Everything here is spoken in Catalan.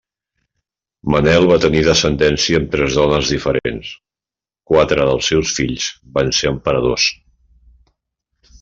Manel va tenir descendència amb tres dones diferents; quatre dels seus fills van ser emperadors.